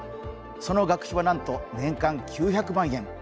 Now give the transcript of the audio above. その学費はなんと年間９００万円。